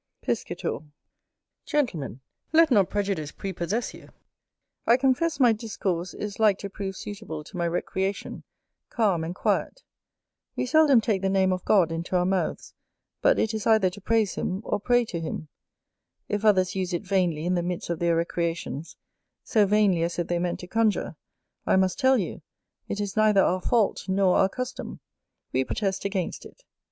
Piscator. Gentlemen, let not prejudice prepossess you. I confess my discourse is like to prove suitable to my recreation, calm and quiet; we seldom take the name of God into our mouths, but it is either to praise him, or pray to him: if others use it vainly in the midst of their recreations, so vainly as if they meant to conjure, I must tell you, it is neither our fault nor our custom; we protest against it.